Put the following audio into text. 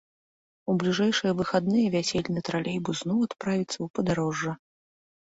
У бліжэйшыя выхадныя вясельны тралейбус зноў адправіцца ў падарожжа.